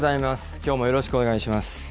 きょうもよろしくお願いします。